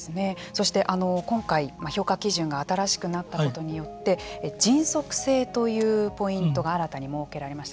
そして、今回評価基準が新しくなったことによって迅速性というポイントが新たに設けられました。